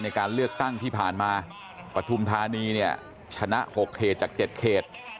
ในการเลือกตั้งที่ผ่านมาปฐุมธานีเนี่ยชนะ๖เขตจาก๗เขต